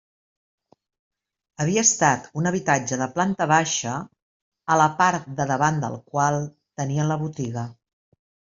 Havia estat un habitatge de planta baixa, a la part de davant del qual tenien la botiga.